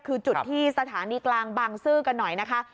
คือจุดที่สถานีกลางบางซื่อกันหน่อยนะคะ